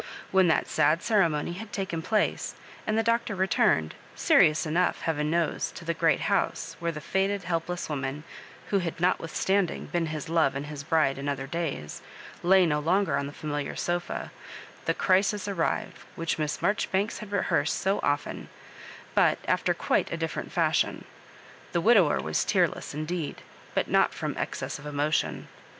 When that sad ceremony had taken place, and the Doctor returned, serious enough, heaven knows, to the great house, where the faded helpless woman, who had notwithstanding been his love and his bride in other days, lay no longer on the familiar fiofa, the crisis arrived which Miss Marjoribanks had rehearsed so often, but after quite a differ ent fashion. The widower was tearless, indeed, but not from excess of emotion.